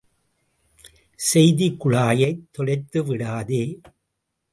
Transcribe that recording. செய்திக் குழாயைத் தொலைத்துவிடாதே.